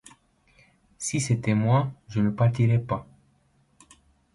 Si c’était moi, je ne partirais pas.